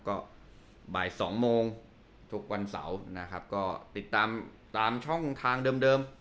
ก็บ่ายสองโมงทุกวันเสาร์นะครับก็ติดตามตามช่องทางเดิม